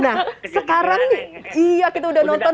nah sekarang nih iya kita udah nonton